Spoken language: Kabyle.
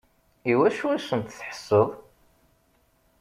Iwacu i sent-tḥesseḍ?